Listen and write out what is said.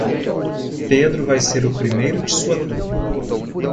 Pedro vai ser o primeiro de sua turma.